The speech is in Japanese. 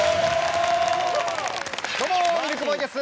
どうもミルクボーイです。